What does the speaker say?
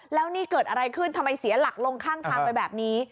แล้วนี่เกิดอะไรขึ้นทำไมเสียหลักลงข้างทางไปแบบนี้